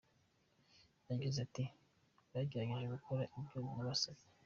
Yagize ati "Bagerageje gukora ibyo nabasabye.